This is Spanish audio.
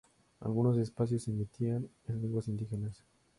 Algunos espacios se emitían en lenguas indígenas.